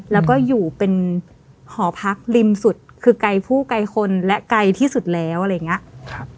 แล้วก็อยู่เป็นหอพักริมสุดคือไกลผู้ไกลคนและไกลที่สุดแล้วอะไรอย่างนี้